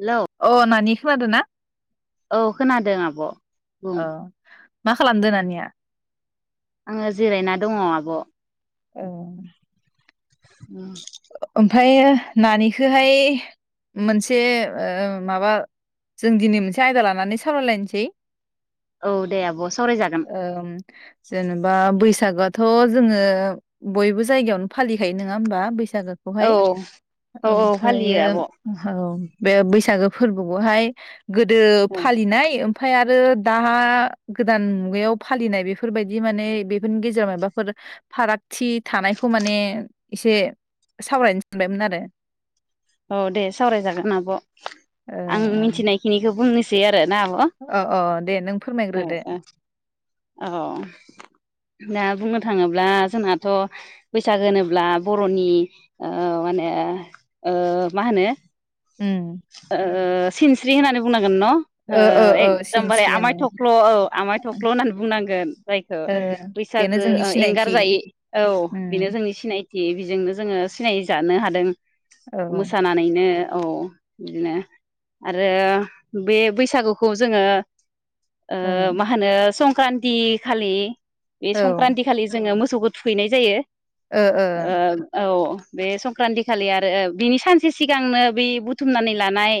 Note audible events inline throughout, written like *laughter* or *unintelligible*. Hello अ नानि खोनादोंना? औ खोनादों आब' बुं अ मा खालामदो नानिया आङो जिरायना दङ आ ब' औ ओमफ्रायो नानिखौहाय मोनसे ओ माबा जों दिनै मोनसे आयदा लानानै सावरायलायनोसै- औ दे आब' सावरायजागोन। ओम जेनेबा बैस सागोआथ' जोङो बयबो जायगायावनो फालिखायो नङा होमबा बैसा औ गोखौहाय औ औ फालियो ओमफ्रायो आब' औ बे बैसागो फोरबोखौहाय गोदो फालिनाय ओमफ्राय आरो दा गोदान मुगायाव फालिनाय बेफोरबायदि माने बेफोरनि गेजेराव माबाफोर फाराग थि थानायखौ माने एसे सावरायनो सानबायमोन आरो औ दे सावरायजागोन आब' आं मिथिनायखिनिखौ बुंनो सै आरो ना आब' औ औ अ दे नों ओ फोरमायग्रोदो ओ औ दा बुंनो थाङोब्ला जोंहाथ' बैसागो होनोब्ला बर'नि ओ माने मा होनो उम ओ ओ सिनस्रि होननानै बुं गोन न' ओ ओ ओ एकदमबारे आमाय सिनस्रियानो थख्ल' औ आमाय थख्ल' होननानै बुंनांगोन जायखौ ओ बेनो बैसागो जोंनि सिनायथि एंगारजायै औ बेनो उम जोंनि सिनायथि थि बेजोंनो जोङो सिनाय जानो हादों औ ओ मोसानानैनो औ बिदिनो आरो बे बैसागुखौ जोङो ओ औ मा होनो क्रान्ति खालि बे ओ संक्रान्ति खालि जोङो मोसौ मोसौखौ थुखैनाय जायो ओ आ औ बे संक्रान्ति खालि आरो बिनि सानसे सिगांनो बे बुथुमनानै लानाय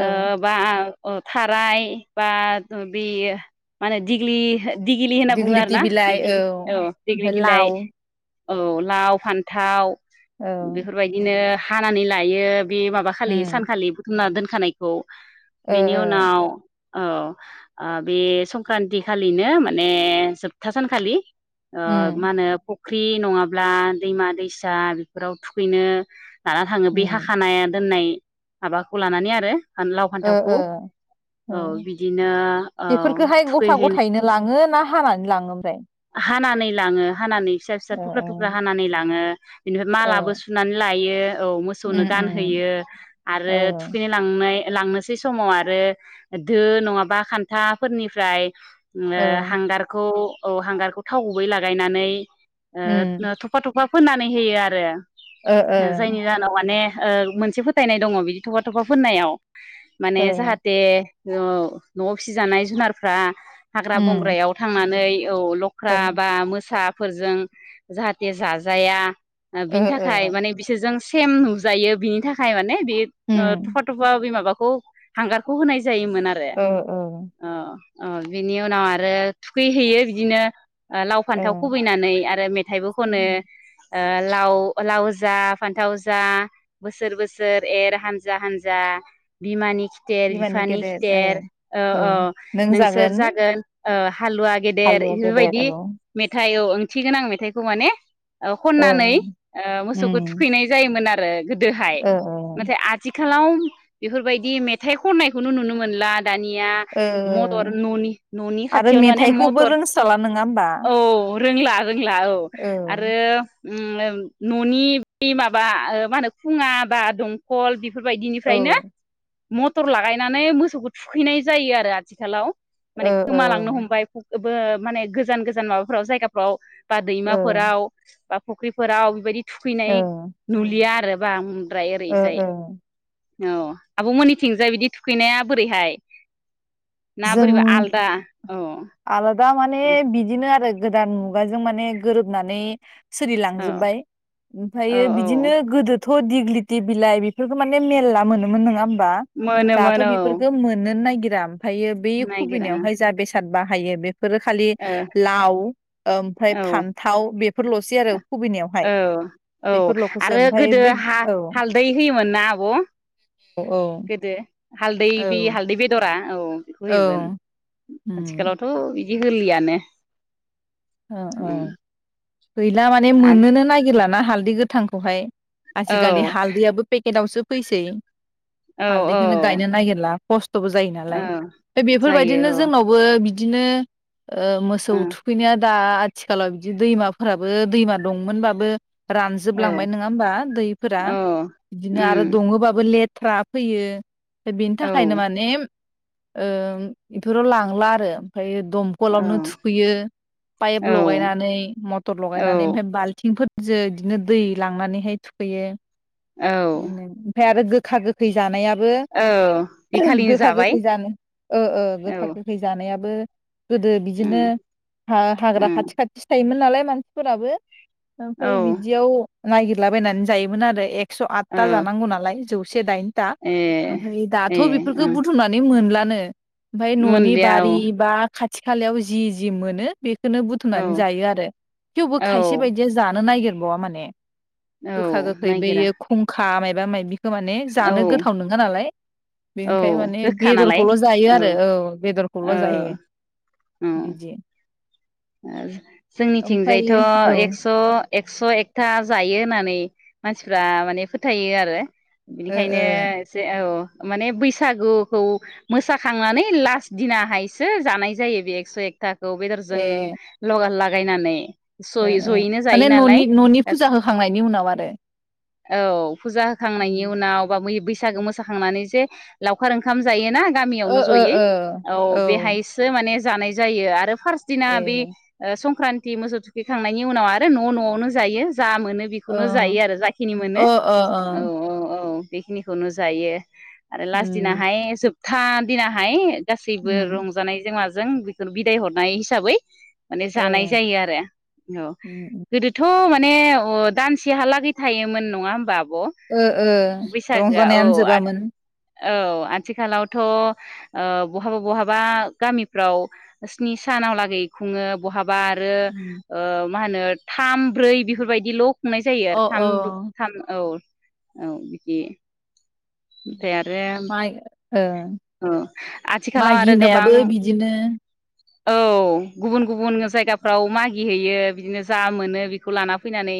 औ आ बा अ थाराय बा बे माने दिग ग्लि दिगिलि होनना बुङो आरो दिग्लिथि ना बे बिलाइ औ औ दिग्लि ओमफ्राय बिलाइ लाव औ लाव फान्थाव औ बेफोरबायदिनो हानानै लायो बे माबा खालि उम सानखालि बुथुमना दोन खानायखौ ओ बेनि ओ उनाव औ औ बे संक्रान्ति खालिनो माने जोबथा सानखालि आ उम मा होनो कक फुख्रि नङाब्ला दैमा दैसा बेफोराव थुखैनो लाना थाङो बे उम हाखानाया दोननाय। माबाखौ लानानै आरो। लाव ओ फान्थावखौ ओ ओ औ बिदिनो औ बेफोरखौहाय गथा थुखैहैनो गथायैनो लाङो ना हानानै लाङो? ओमफ्राय हानानै लाङो हानानै फिसा फिसा ओ थुख्रा थुख्रा हानानै लाङो। बेनिफ्राय ओ औ मालाबो सुनानै लायो औ मोसौनो उम उम गानहोयो औ आरो थुखैनो लांनाय लांनोसै समाव आरो। दो नङाबा खान्थाफोरनिफ्राय ओ औ हांगारखौ। औ हांगारखौ थाव गुबै लागायनानै उम ओ थफा थफ' अफा फोननानै होयो आरो। ओ ओ जायनि जाहोनाव माने- ओ मोनसे फोथायनाय दङ बिदि थफा थफा फोननायाव। माने ओ जाहाथे औ न'आव फिसिजानाय जुनारफ्रा हाग्रा उम बंग्रायाव थांनानै औ ओ लख्रा बा मोसा फोरजों जाहाथे जाजाया बिनि ओ थाखाय माने बिसोरजों सेम नुजायो बिनि थाखाय माने बे उम थफा थफा बे माबाखो खौ हांगारखौ होनाय जायोमोन आरो ओ ओ अ अ बिनि उनाव आरो थुखैहैयो। बिदिनो लाव ओ फान्थाव खुबैनानै आरो मेथाइबो खनो। ओ लाव लाव जा फान्थाव जा बोसोर बोसोर एर हानजा हानजा बिमानि खि खिथेर बिमानि बिफानि गेदेर ओ खिथेर औ ओ औ नोंसोर जागोन ओ हालुवा *unintelligible* इफोर हालुवा गेदेर औ बायदि मेथाइ औ ओंथिगोनां मेथाइखौ माने ओ औ खननानै ओ मोसौखौ उम थुखैनाय जायोमोन आ *unintelligible* गोदोहाय ओ ओ नाथाय आथिखा खालाव बेफोर बायदि मेथाइ खननायखौनो नुनो मोनला। दानिया ओ मटर ननि ननि आरो खाथियावनो माने मेथाइखौबो मटर रोंस्राला नङा होमबा औ रोंला रोंला औ आरो उम ओम न'नि बै माबा ओ मा होनो खुङा बा दंखल बि फोर औ ओ बायदिनिफ्रायनो मटर लागायनानै मोसौखौ थुखैनाय जायो आरो आथिखालाव ओ माने गोमालांनो हमबाय। ओबो माने गोजान गोजान माबाफोराव जायगाफ्राव बा ओ दैमाफोराव बा फख्रिफोराव बेबायदि ओ थुखैनाय नुलिया आरो। बा उम द्राय ओ ओरैजाय ओ औ आब'मोननिथिंजाय बिदि थुखैनाया बोरैहाय? ना बोरैबा आलदा औ दा माने दे बिदिनो आरो गोदान मुगाजों माने गोरोबनानै औ सोलिलांजोबबाय औ ओमफायो बिदिनो गोदो थ दिग्लिथि बिलाइ बेफोरखौ माने मेरला मोनोमोन नङा बा मोनोमोन दाथ' औ बेफोरखो मोननोनो नागिर जाम फायो बै नायगिरा खुबिदायावहाय जा बेसाद बा हायो बे फोरो खालि ओ लाव ओमफ्राय औ फान्थाव बे औ औ बेफोरल'खौसो आरो ओमफ्राय गोदो बै हा हालदै होयोमोन ना आब' अ औ गोदो हालदै बि औ हालदै बेदरा औ बेखौ होयोमोन औ उम आथिखालावथ' बिदि बिहोलियानो अ औ गैला माने मोननोनो नागिरलाना हाल दि गोथांखौहाय आरो औ आजिखालि हालदैयाबबो पेकेटआवसो फैसै औ हालदैखोनो गायनो औ नागिरला खस्थ'बो जायो औ नालाय बेफोरबायदिनो जायो जोंनावबो बि बिदिनो ओ मोसौ औ थुखैनो दा आथिखालाव बिदि दैमाफोराबो दैमा दंमोनबाबो औ रानजोबलांबाय नोङा होमबा दैफोरा औ बिदिनो उम आरो दङोबाबो लेट थ्रा फैयो दा बेनि औ थाखायनो माने ओम बेफोराव लांला आरो ओमफ्राय दमखलावनो थुखैयो पाइप औ लगायनानै मथर औ लगायनानै ओमफ्राय बाल्थिंफोर जो बिदिनो दै लांनानैहाय थुखैयो औ बिदिनो ओमफ्राय आरो गो गोखा गोखै जानायाब औ बे बो खालिनो गोखा जाबाय गोखै जान ओ ओ औ गोखा गोखै जानायाबो गोदो बिदिनो उम हाग्रा उम खथि खाथिसो थायो योमोन नालाय मानसिफोराबो औ ओमफाय बिदियाव नागिरलाबायनानै जायोमोन आरो ए एकस' आदथा ओ जानांगौ नायलाय जौ से दाइन था‌ ए ओमफाय दाथ' ए बेफोरखौ ओं बुथुमनानै मोनला नो ओमफाय न'नि मोनलिया औ बारि बा खाथ खाथि खालायाव जि जि मोनो बे नो औ बुथुमनानै जायो आरो थेवबो औ खायसे बायदिया जानो नागेर गवा माने औ गोखा गोखै नायगिरा बेैयो खुंखा माइ माइबा माइबि माने औ जानो गोथाव नोङा नालाय। औ बेनिखाय माने गोखा नालाय बेदरखौल' जायो औ आरो औ बेदरखौ कौल जायो। ओं बिदि ओ जोंनिथिंजायथ' ओमफ्रायो औ ओ एक्स' एकस' एकथा जायो होननानै मानसिफ्रा माने फोथायो आरो। बिनिखायनो ओ एसे औ' माने बैसागुखौ मोसाखांनानै लास्ट दिनहायसो जानाय जायो बे एकस' एकथा खो खौ बेदरजों ए लगा लागायनानै ओ जैयै जयैनो जायो माने नालाय न'नि न'नि फुजा होखांनायनि उनाव आरो औ फुजा होखांनायनि उम उनाव बा‌ बै बैसागो मोसाखांनानै जे लावखार ओंखाम जायोना। ओ गामियावनो ओ जयै औ ओ बेहायसो माने जानाय जायो आरो। फारस दिना ए बे संक्रान्तथि मोसौ थुखैखांनायनि उनाव आरो न' न'आवनो जायो। जा मोनो बेखौनो ओ जायो आरो जाखिनि ओ मोनो ओ ओ औ औ औ बेखिनिखौनो जायो। आरो लास उम दिनाहाय था दिना हाय गासैबो उम रंजानाय जों जों बेखौ बिदाय हरनाय हिसाबै माने ओ जानाय जायो आरो औ उम उम गोदोथ' माने माने दानसेहालागै थायोमोन नङा होमबा? आब' ओ ओ बैसागोआ औ रंजानायानो आथ- जोबामोन। औ आथिखालावथ' ओ बहाबा बहाबा गामिफ्राव स्नि सानाव लागै खुङो बहा बा आरो उम मा होनो थाम ब्रै बेफोरबायदिल' खुंनाय जायो अ आरो थाम अ थाम औ। औ बिदि ओमफ्राय आरो माइ ओ औ आथिखालाव माइ आरो गोबां गिनायाबो बिदिनो औ गुबुन गुबुन जायगाफ्राव मागिहैयो बिदिनो जा मोनो बेखौ लाना फैनानै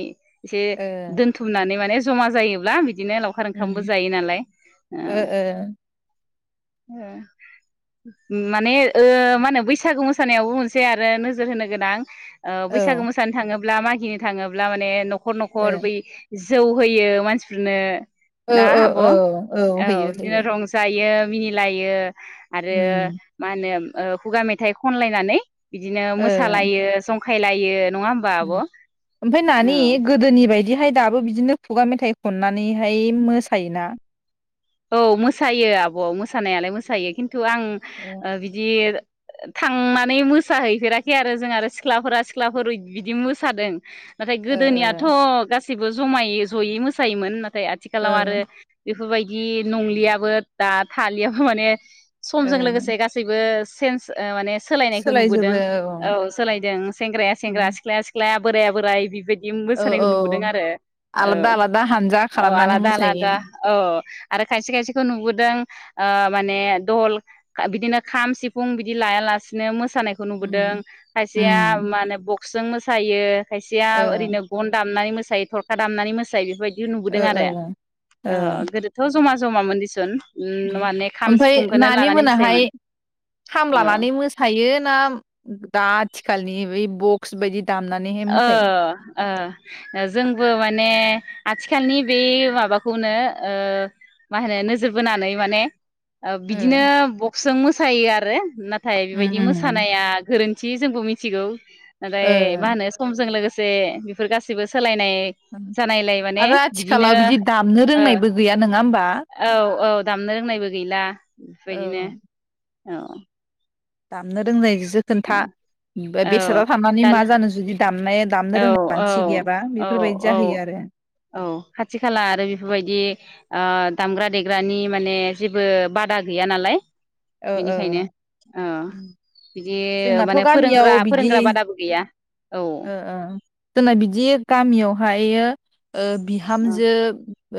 एसे ओ दोनथुमनानै माने जमा जायोब्ला बिदिनो लावखार ओंखामबो उम जायो नालाय ओ ओ माने मा होनो बैसागु मोसानायावबो मोनसे आरो नोजोर होनो गोनां। ओ बैसागो मोसानो थाङोब्ला ब्ला मागिनो थाङोब्ला माने न'खर औ न'खर न'खर बै जौ होयो मानसिफोरनो ओ ना ओ आब' ओ औ होयो बिदिनो होयो रंजायो। बियो मिनिलायो आरो उम मा होनो। ओ खुगा मेथाइ खनलायनानै। बिदिनो ओ मोसालायो जंखा खाय लायो। ओमफाय नानि गोदोनि बायदि बिदिहाय दाबो बिदिनो खुगा मेथाइ खननानैहाय मोसायोना? औ मोसायो आब' मोसानायालाय मोसायो खि नथु' आं ओ बिदि थांनानै मोसाहैफेराखै आरो जों आरो सिख्लाफोरा सिख्लाफोर बिदि मोसादों। नाथाय ओ गोदोनियाथ' गासै बो जमायै जयै मोसायोमोन ना। थाय आथिखलाव आरो। ओ बेफोर बाय दि नंलियाबो दा थालियाबो माने समजों ओ लोगोसे गासैबो- सेन्स ओ माने सोलायनायखौ नुबोदों औ सोलायदों सेंग्राया उम सेंग्रा सिख्लाया सिख्ला बोराइया बोराइ बेबाय दि औ मोसानायखौ नुबोदों औ आरो आलादा आलादा हानजा औ औ खालामनानै आलादा मोसायो आलादा औ आरो खायसे खायसेखौ नुबोदों ओ माने दल बिदिनो खाम सिफुं बिदि लाया लासेनो मो सानायखौ नुबोदों उम खायसेया उम माने ब क्स जों मोसायो खायसेया ओ ओरैनो गन दामनानै मो सायो थरखा दामनानै मोसायो बेबाय दि नुबोदों ओ आरो ओ ओ गोदो जमा जमा मोनदिसोन ओमफ्राय नानि मोनाहाय मोसायोमोन औ खामलानानै मोसायो ना दा आथिखालनि बै बक्स बायदि दामनानैहाय ओ मोसायो ओ जोंबो माने आथि खालनि बे माबाखौनो ओ मा होनो नोजोर बोनानै माने ओ बिदिनो ब क्सजों मोसायो आरो ना थाय उम बेबायदि उम मोसानाया गोरोन थि जोंबो मिथिगौ ओ नाथाय मा होनो जों लोगोसे बेफोर गासिबो सोलाय आरो बिदिनो आथिखालाव बिदि दामनो ओ रोंनायबो गैया नङा होमबा औ औ दामनो रोंनायबो गैला बेबायदिनो औ औ दामनो रोंनायजोसो खोन्था फ्राय औ बेसादाव थानानै दाना माजानो जुदि दामनाय दामनो औ रोंनाय औ मानसि गैयाबा औ बेफोरबायदि औ जाहैयो आरो औ खाथि खाला आरो बेफोरबायदि ओ दामग्रा देग्रानि माने जेबो बादा गैया नालाय ओ बेनिखायनो औ ओ बिदि जोंनाथ' माने फोरोंग्रा गामियाव बिदि फोरोंग्रा बादाबो गैया औ ओ ओ जोंना बिदि गामियावहायो ओ औ बिहामजो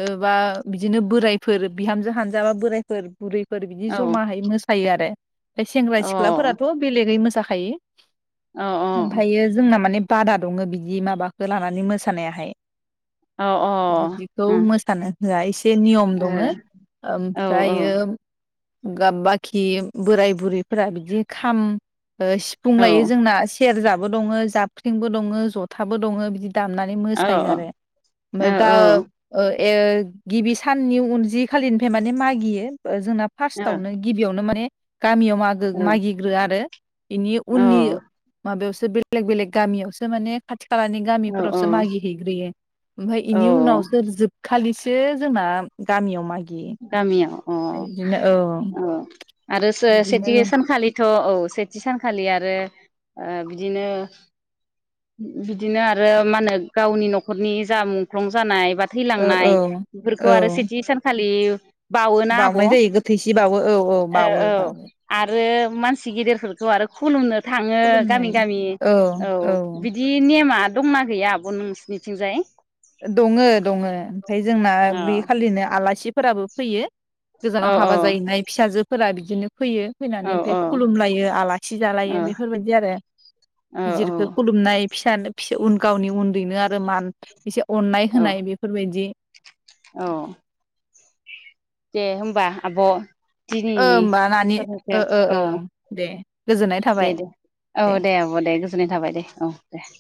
ओ बा बिदिनो बोरायफोर बिहामजो हानजाबा बोरायफोर बुरै फोर बिदि औ जमाहै सायो आरो सेंग्रा औ सिख्लाफोराथ' बेलेगै मोसाखा खायो औ ओमफायो जोंना माने बादा दङ बिदि माबाखो लानानै मोसानायाहाय औ ओ औ बिदिखौ मोसानो होआ एसे नियम दङो ओमफ्रायो *unintelligible* खि बोराय बुरैफोरा बिदि खाम सिफुं लायो जोंना सेरजाबो दङो जाबख्रिंबो दङो जथाबो दङो बिदि दामनानै मोसायो आरो ओमफ्राय गा ओ ए-ओ गिबि साननि उन जिखालिनिफ्राय माने मागियो जोंना फार्स्टआवनो *unintelligible* गामियाव मागो मागिग्रो आरो बेनि उननि माबायावसो बेलेग बेलेग गामियावसो माने खाथि खालानि औ गामिफोरावसो औ मागि हैग्रोयो ओमफाय बेनि औ उनावसो जोबखालि जोंना गामियाव मागि गामियाव अ अ आरोसो सेथि बिदिनो सानखालि थ' औ सेथि सानखालि आरो ओ बिदिनो बिदिनो आरो मा होनो गावनि न'खरनि जा मुंख्लं जानाय बा औ थैलांनाय औ बेफोरखौ औ आरो सेथि सानखालि *inaudible* आब' बाउनाय जायो गोथैसि बावो औ औ ओ बावो औ बावो आरो मानसि गिदिरफोरखौ आरो खुलुमनो थाङो खुलुमनाय गामि गामि औ बिदि नेमा दंना गैया आब' नोंसिनिथिंजाय दङो दङो ओमफ्राय जोंना अ बे खालिनो आलासि फोराबो फैयो गोजानाव औ हाबा औ जाहैनाय फिसाजो फोरा बिदिनो फैयो औ फैनानै ओमफाय औ खुलुमलायो आलासि औ जालायो बेफोरबायदि आरो औ औ गिदिरखो खुलुमनाय फिसा नो फिसौ उन गावनि उन्दैनो आरो मान एसे अननाय औ होनाय बेफोरबायदि औ ओ दे होनबा आब' दिनैनि होमबा नानि ओ ओ *unintelligible* औ ओ दे गोजोननाय थाबाय दे दे औ दे आब' दे गोजोननाय थाबाय दे औ दे। *inaudible*